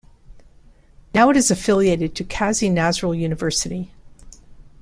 Now it is affiliated to Kazi Nazrul University.